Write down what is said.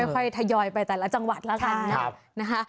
ค่อยทยอยไปแต่ละจังหวัดแล้วกันนะ